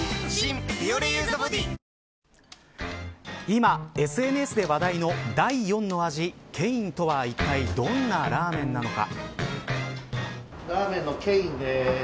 今ＳＮＳで話題の第４の味、ケインとはいったいどんなラーメンなのか。